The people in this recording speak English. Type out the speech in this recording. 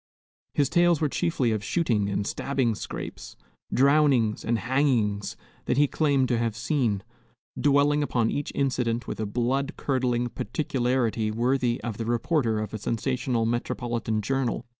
His tales were chiefly of shooting and stabbing scrapes, drownings and hangings that he claimed to have seen, dwelling upon each incident with a blood curdling particularity worthy of the reporter of a sensational metropolitan journal.